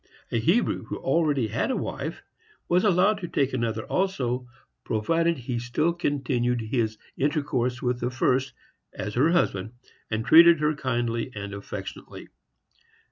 A Hebrew who already had a wife was allowed to take another also, provided he still continued his intercourse with the first as her husband, and treated her kindly and affectionately.